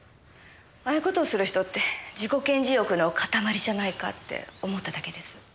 ああいう事をする人って自己顕示欲の塊じゃないかって思っただけです。